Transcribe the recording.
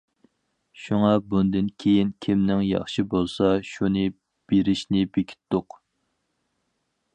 شۇڭا بۇندىن كېيىن كىمنىڭ ياخشى بولسا شۇنى بېرىشنى بېكىتتۇق.